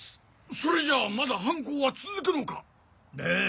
それじゃまだ犯行は続くのか⁉ええ